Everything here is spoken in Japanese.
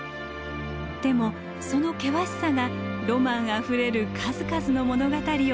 でもその険しさがロマンあふれる数々の物語を生み出しました。